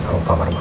kamu pamar mah